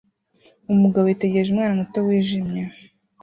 Umugabo yitegereza umwana muto wijimye